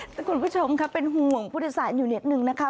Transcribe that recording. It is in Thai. ทุกคนผู้ชมค่ะเป็นห่วงบุทย์สร้ายชนิดหนึ่งนะครับ